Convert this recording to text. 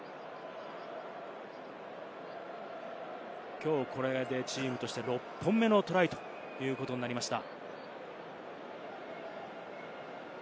きょうこれでチームとして６個目のトライということになりました。